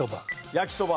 焼きそば。